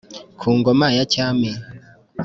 ku ngoma ya cyami